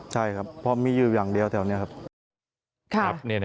ใช่ครับเพราะมีอยู่อย่างเดียวแถวนี้ครับ